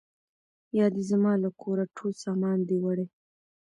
یا دي زما له کوره ټول سامان دی وړی